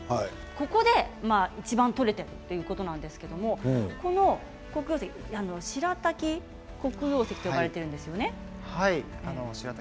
ここでいちばん採れているということなんですけれどもこの黒曜石白滝黒曜石と呼ばれているんですよね。